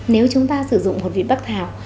nếu chúng ta sử dụng hột vị bắc thảo